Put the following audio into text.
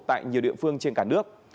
tại nhiều địa phương trên cả nước